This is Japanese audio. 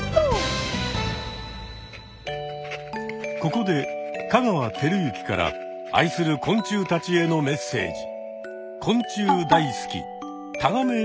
ここで香川照之から愛する昆虫たちへのメッセージ！